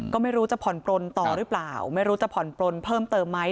ก็ไม่รู้จะผ่อนปลนต่อหรือเปล่าไม่รู้จะผ่อนปลนเพิ่มเติมไหม